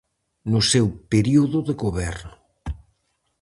No seu período de goberno.